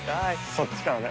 そっちからね。